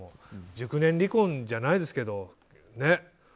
熟年離婚じゃないですけどね。